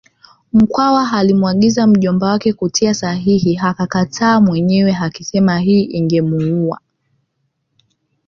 Mkwawa alimwagiza mjomba wake kutia sahihi akakataa mwenyewe akisema hii ingemuua